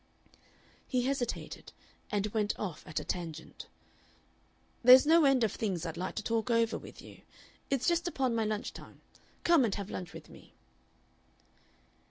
He hesitated, and went off at a tangent. "There's no end of things I'd like to talk over with you. It's just upon my lunch time. Come and have lunch with me."